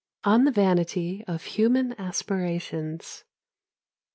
ON THE VANITY OF HUMAN ASPIRATIONS.